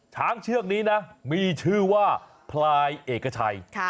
ช้างเชือกนี้นะมีชื่อว่าพลายเอกชัย